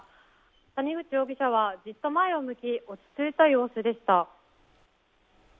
谷口容疑者はじっと前を向き、落ち着いた様子でした。